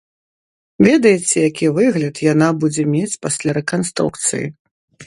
Ведаеце, які выгляд яна будзе мець пасля рэканструкцыі?